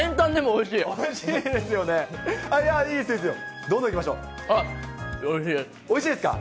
おいしいですか？